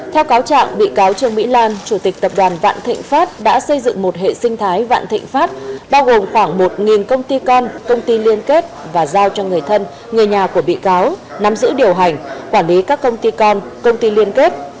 theo cáo trạng bị cáo trương mỹ lan chủ tịch tập đoàn vạn thịnh pháp đã xây dựng một hệ sinh thái vạn thịnh pháp bao gồm khoảng một công ty con công ty liên kết và giao cho người thân người nhà của bị cáo nắm giữ điều hành quản lý các công ty con công ty liên kết